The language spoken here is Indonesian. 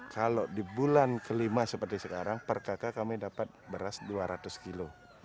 kalau di bulan kelima seperti sekarang per kakak kami dapat beras dua ratus kilo